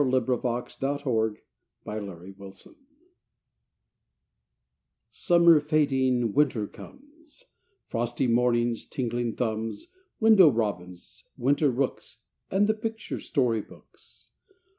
PICTURE BOOKS IN WINTER Summer fading, winter comes Frosty mornings, tingling thumbs, Window robins, winter rooks, And the picture story books.